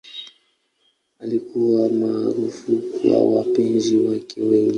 Alikuwa maarufu kwa wapenzi wake wengi.